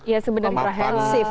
ya sebenarnya komprehensif